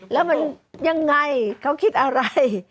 แล้วมันยังไงเขาคิดอะไร